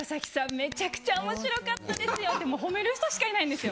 めちゃくちゃ面白かったですよって褒める人しかいないんですよ。